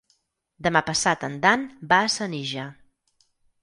Demà passat en Dan va a Senija.